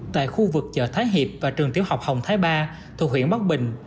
tại khu vực chợ thái hiệp và trường tiểu học hồng thái ba thuộc huyện bắc bình